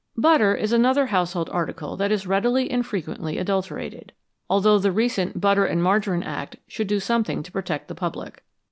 Butter is another household article that is readily and frequently adulterated, although the recent Butter and Margarine Act should do something to protect the public.